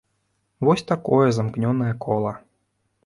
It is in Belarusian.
Вось такое замкнёнае кола.